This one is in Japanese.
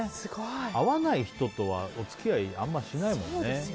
会わない人とはお付き合いあんましないもんね。